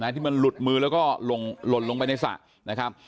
ที่มันหลุดมือแล้วก็หล่นลงไปในสระนะครับ